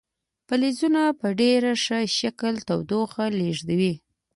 فلزونه په ډیر ښه شکل تودوخه لیږدوي.